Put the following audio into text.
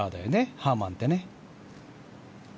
ハーマンってね。